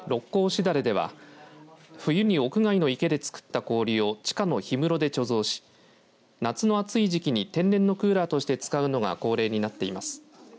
枝垂れでは冬に屋外の池で作った氷を地下の氷室で貯蔵し夏の暑い時期に天然のクーラーとして使うのが恒例になっています。